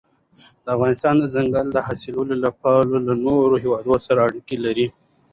افغانستان د ځنګلي حاصلاتو له پلوه له نورو هېوادونو سره اړیکې لري.